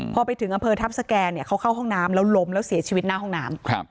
พอไปถึงอำเภอทัพสแก่เขาเข้าห้องน้ำแล้วล้มแล้วเสียชีวิตหน้าห้องน้ำ